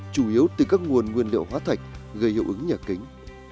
chủ yếu từ các nguồn nguyên liệu hóa thạch gây hiệu ứng nhà kính